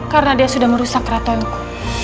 karena dia sudah merusak ratuanku